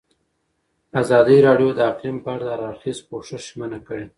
ازادي راډیو د اقلیم په اړه د هر اړخیز پوښښ ژمنه کړې.